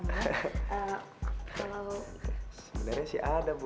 keliatannya gini ya kok saya nggak percaya sama kamu